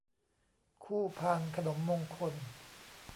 คู่พานขนมมงคล